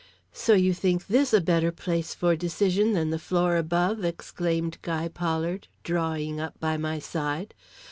"So you think this a better place for decision than the floor above?" exclaimed Guy Pollard, drawing up by my side.